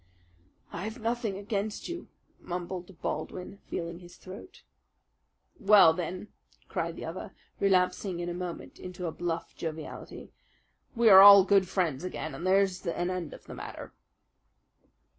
"I have nothing against you," mumbled Baldwin, feeling his throat. "Well, then," cried the other, relapsing in a moment into a bluff joviality, "we are all good friends again and there's an end of the matter."